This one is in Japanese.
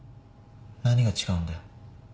何が違うんだよ。